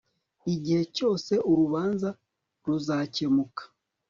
igihe cyose urubanza ruzakemuka